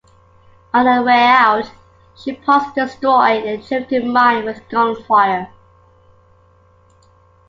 On the way out, she paused to destroy a drifting mine with gunfire.